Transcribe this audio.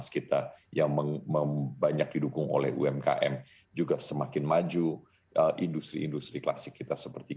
kita yang membanyak didukung oleh umkm juga semakin maju industri industri klasik kita seperti